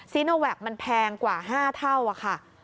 ซีโนแวคมันแพงกว่า๕เท่าค่ะ